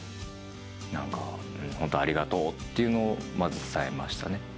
何かホントありがとうっていうのをまず伝えましたね。